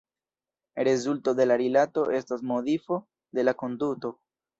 Rezulto de la rilato estas modifo de la konduto.